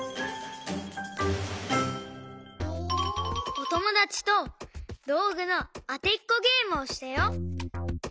おともだちとどうぐのあてっこゲームをしたよ。